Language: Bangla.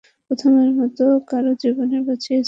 প্রথমবারের মতো কারো জীবন বাঁচিয়েছি, মা।